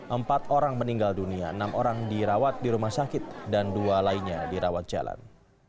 empat orang meninggal dunia enam orang dirawat di rumah sakit dan dua lainnya dirawat jalan